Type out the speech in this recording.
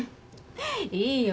いいよ。